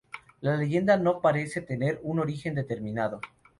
La leyenda no parece tener un origen determinado.